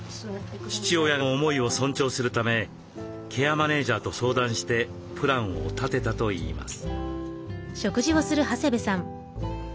父親の思いを尊重するためケアマネージャーと相談してプランを立てたといいます。